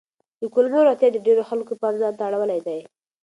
د کولمو روغتیا د ډېرو خلکو پام ځان ته اړولی دی.